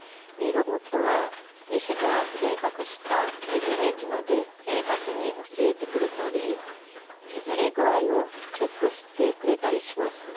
ロボットは医師が計画した削る位置まで正確に教えてくれたり削り具合をチェックしてくれたりします。